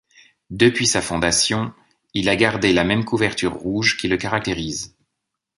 Depuis sa fondation, il a gardé la même couverture rouge qui le caractérise.